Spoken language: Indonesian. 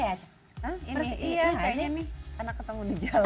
ini kayaknya nih anak ketemu di jalan